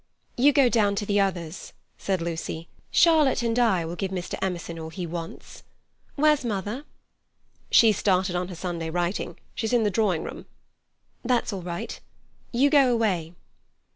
"You go down to the others," said Lucy; "Charlotte and I will give Mr. Emerson all he wants. Where's mother?" "She's started on her Sunday writing. She's in the drawing room." "That's all right. You go away."